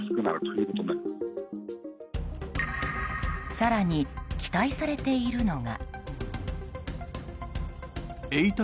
更に、期待されているのが。